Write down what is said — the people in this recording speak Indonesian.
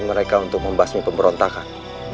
akan menangani kita untuk membasmi pemberontakan